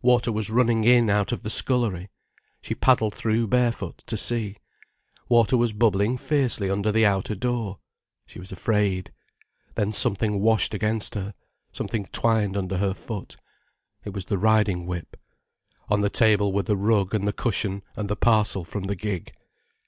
Water was running in out of the scullery. She paddled through barefoot, to see. Water was bubbling fiercely under the outer door. She was afraid. Then something washed against her, something twined under her foot. It was the riding whip. On the table were the rug and the cushion and the parcel from the gig.